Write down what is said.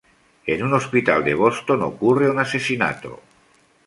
En un hospital de Boston ocurre un asesinato.